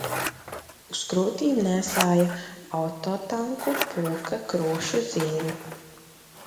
Uz krūtīm nēsāja Autotanku pulka krūšu zīmi.